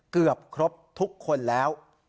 เกือบครบทุกคนแล้ว